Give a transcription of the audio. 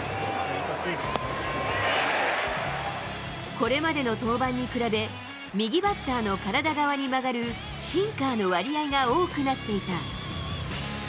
これまでの登板に比べ、右バッターの体側に曲がるシンカーの割合が多くなっていた。